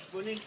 bu ning sih